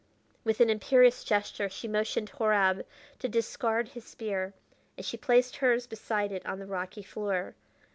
With an imperious gesture she motioned Horab to discard his spear, and she placed hers beside it on the rocky floor.